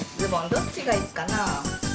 どっちがいいかな？